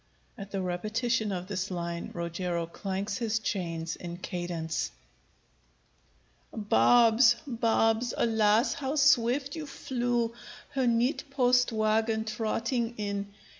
[At the repetition of this line Rogero clanks his chains in cadence.] Barbs! barbs! alas! how swift you flew, Her neat post wagon trotting in!